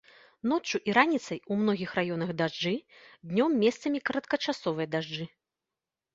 Ноччу і раніцай у многіх раёнах дажджы, днём месцамі кароткачасовыя дажджы.